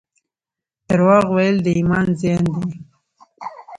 درواغ ویل د ایمان زیان دی